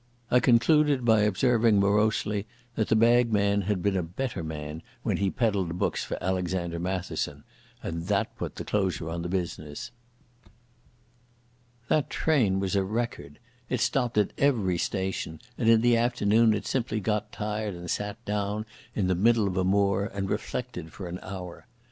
I concluded by observing morosely that the bagman had been a better man when he peddled books for Alexander Matheson, and that put the closure on the business. That train was a record. It stopped at every station, and in the afternoon it simply got tired and sat down in the middle of a moor and reflected for an hour.